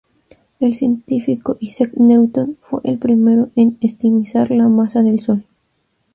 El científico Isaac Newton fue el primero en estimar la masa del Sol.